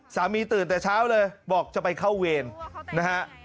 ตื่นแต่เช้าเลยบอกจะไปเข้าเวรนะฮะ